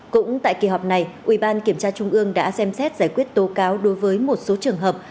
cũng tại kỳ họp này ủy ban kiểm tra trung ương đã xem xét giải quyết tố cáo đối với một số trường hợp